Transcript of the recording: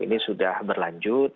ini sudah berlanjut